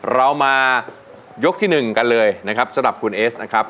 เรามายกที่๑กันเลยนะครับสำหรับคุณเอสนะครับ